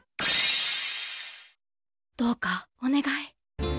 どうかお願い。